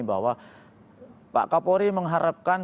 bahwa pak kapolri mengharapkan